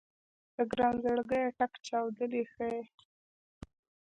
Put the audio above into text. د ګران زړګيه ټک چاودلی ښه يې